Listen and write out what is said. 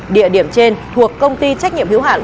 địa điểm trên thuộc công ty trách nhiệm hữu hạn